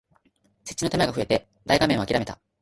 設置の手間が増えて大画面をあきらめた